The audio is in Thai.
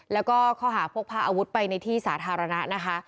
แล้วก็ข้อหาพกพาอาวุธไปในที่สาธารณะนะคะ